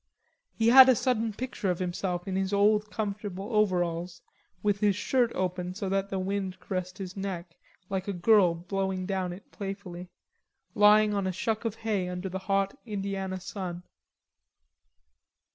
He had a sudden picture of himself in his old comfortable overalls, with his shirt open so that the wind caressed his neck like a girl blowing down it playfully, lying on a shuck of hay under the hot Indiana sun.